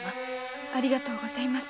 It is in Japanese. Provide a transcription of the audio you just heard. ありがとうございます。